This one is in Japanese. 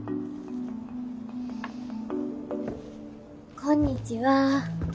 こんにちは。